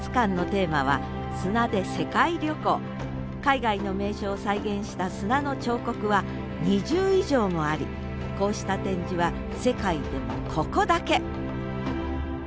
海外の名所を再現した砂の彫刻は２０以上もありこうした展示は世界でもここだけ！